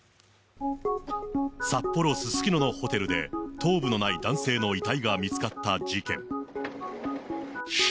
札幌・すすきののホテルで、頭部のない男性の遺体が見つかった事件。